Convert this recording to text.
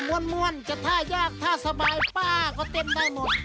เอามวนจะท่ายากท่าสบายป้าก็เต็มได้หมด